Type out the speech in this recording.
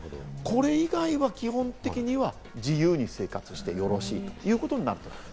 これ以外は基本的には自由に生活してよろしいということになっています。